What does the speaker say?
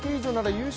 優勝